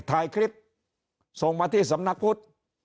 ถ่ายคลิปส่งมาที่สำนักพุทธ